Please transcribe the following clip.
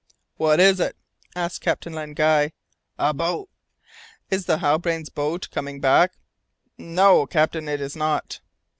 "What is it?" asked Captain Len Guy. "A boat." "Is it the Halbrane's boat coming back?" "No, captain it is not."